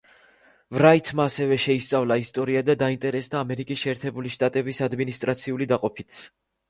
ვრაითმა ასევე შეისწავლა ისტორია და დაინტერესდა ამერიკის შეერთებული შტატების ადმინისტრაციული დაყოფით.